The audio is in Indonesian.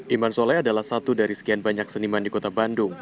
iman soleh adalah satu dari sekian banyak seniman di kota bandung